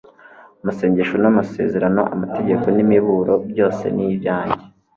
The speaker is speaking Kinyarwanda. Amasengesho n'amasezerano, amategeko n'imiburo byose ni ibyanjye.